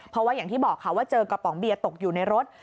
เพราะว่าอย่างที่บอกค่ะว่าเจอกระป๋องเบียร์ตกอยู่ในรถ